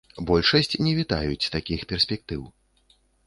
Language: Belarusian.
Большасць не вітаюць такіх перспектыў.